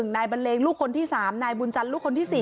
นายบันเลงลูกคนที่๓นายบุญจันทร์ลูกคนที่๔